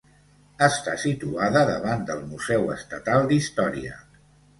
Està situada davant del Museu Estatal d'Història.